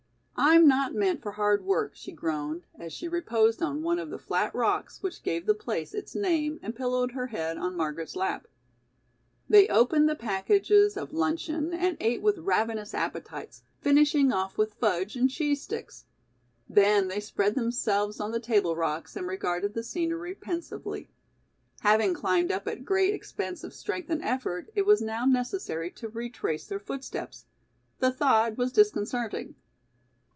"I'm not meant for hard work," she groaned, as she reposed on one of the flat rocks which gave the place its name and pillowed her head on Margaret's lap. They opened the packages of luncheon and ate with ravenous appetites, finishing off with fudge and cheese sticks. Then they spread themselves on the table rocks and regarded the scenery pensively. Having climbed up at great expense of strength and effort, it was now necessary to retrace their footsteps. The thought was disconcerting.